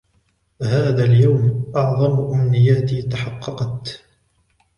هذا اليوم, أعظم أُمنياتي تحققت.